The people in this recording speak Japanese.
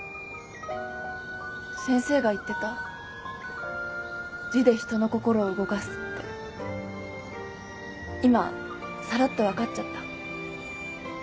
先生が言ってた字で人の心を動かすって今さらっと分かっちゃった。